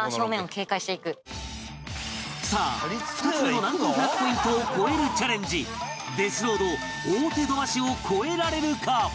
さあ２つ目の難攻不落ポイントを超えるチャレンジデスロード大手土橋を超えられるか？